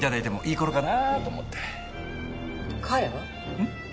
うん？